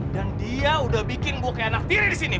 dan dia udah bikin gue kayak anak tiri di sini